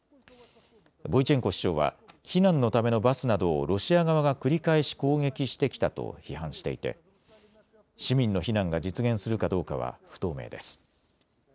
ボイチェンコ市長は避難のためのバスなどをロシア側が繰り返し攻撃してきたと批判していて市民の避難が実現するかどうかは不透明です。